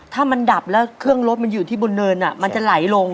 ถ้ามันดับแล้วเครื่องรถมันอยู่ที่บนเนินมันจะไหลลง